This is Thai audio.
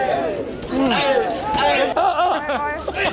เออเออ